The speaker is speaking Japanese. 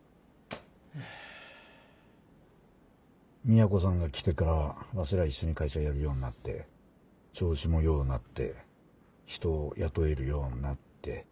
みやこさんが来てからわしら一緒に会社やるようんなって調子も良うなって人を雇えるようんなって。